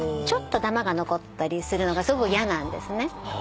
ちょっとダマが残ったりするのがすごく嫌なんですね。